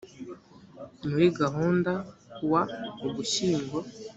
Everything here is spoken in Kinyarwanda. muri uganda ku wa ugushyingo